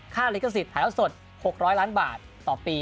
ลิขสิทธิ์ถ่ายละสด๖๐๐ล้านบาทต่อปี